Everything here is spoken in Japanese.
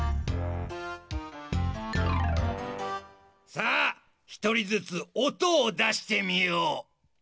さあひとりずつおとをだしてみよう。